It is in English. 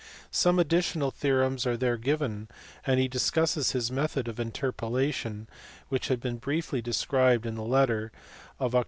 Some additional theorems are there given, and he discusses his method of interpolation, which had been briefly described in the letter of Oct.